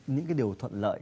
những cái điều thuận lợi